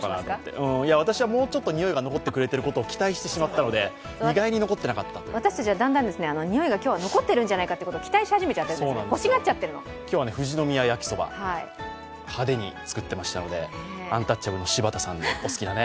私はもうちょっとにおいが残っていることを期待していたので私たちはだんだん、においが今日残ってるんじゃないかって期待しちゃってる、今日は富士宮焼きそば、派手に作っていましたので、アンタッチャブルの柴田さんのお好きなね。